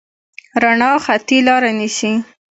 رڼا خطي لاره نیسي.